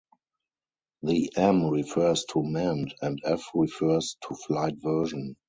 The "M" refers to "manned" and "F" refers to "flight" version.